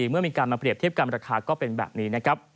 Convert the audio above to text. เมื่อมีการมาเปรียบเทียบกันราคาก็เป็นแบบนี้นะครับ